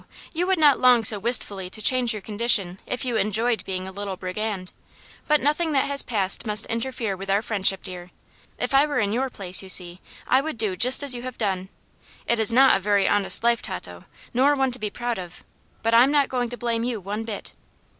You would not long so wistfully to change your condition if you enjoyed being a little brigand. But nothing that has passed must interfere with our friendship, dear. If I were in your place, you see, I would do just as you have done. It is not a very honest life, Tato, nor one to be proud of; but I'm not going to blame you one bit."